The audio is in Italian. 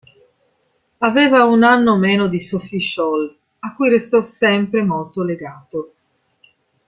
Aveva un anno meno di Sophie Scholl, a cui restò sempre molto legato.